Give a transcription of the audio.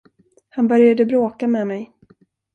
Han började bråka med mig.